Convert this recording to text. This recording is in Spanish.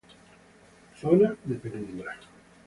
Zona de penumbra.